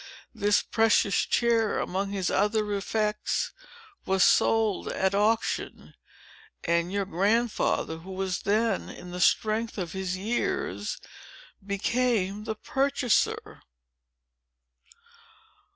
This precious chair, among his other effects, was sold at auction; and your Grandfather, who was then in the strength of his years, became the purchaser."